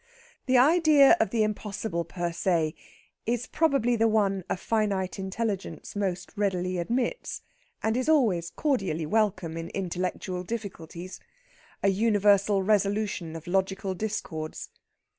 The idea of the impossible per se is probably the one a finite intelligence most readily admits, and is always cordially welcome in intellectual difficulties a universal resolution of logical discords.